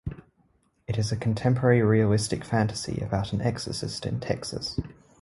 It is a contemporary realistic fantasy about an exorcist in Texas.